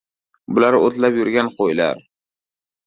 — Bular o‘tlab yurgan qo‘ylar!